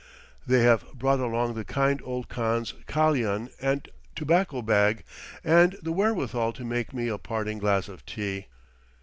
They have brought along the kind old Kahn's kalian and tobacco bag, and the wherewithal to make me a parting glass of tea.